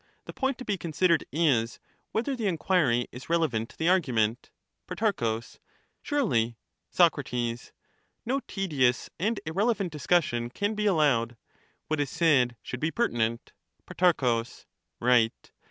16 A), the point to be considered, is, whether the enquiry sociatw. is i:eleyaiitiP the argument. Peotaichus. Pro. Surely. Soc. No tedious and irrelevant discussion can be allowed ; what is said should be pertinent. Pro. Right.